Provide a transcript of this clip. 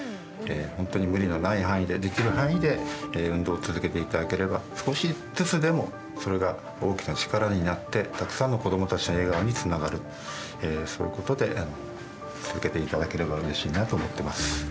本当に無理のない範囲でできる範囲で運動を続けていただければ少しずつでもそれが大きな力になってそういうことで続けていただければうれしいなと思ってます。